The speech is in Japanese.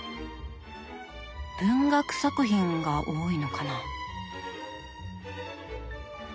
文学作品が多いのかな。